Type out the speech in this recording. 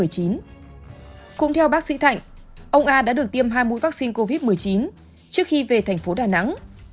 cũng theo bác sĩ thạnh ông a đã được tiêm hai mũi vaccine covid một mươi chín trước khi về thành phố đà nẵng